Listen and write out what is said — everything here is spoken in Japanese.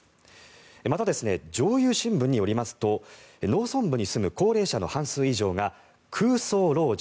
また、上遊新聞によりますと農村部に住む高齢者の半数以上が空巣老人。